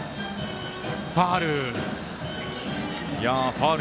ファウル。